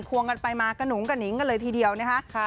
วงกันไปมากระหุงกระหิงกันเลยทีเดียวนะคะ